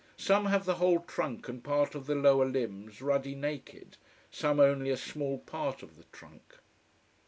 Some have the whole trunk and part of the lower limbs ruddy naked, some only a small part of the trunk.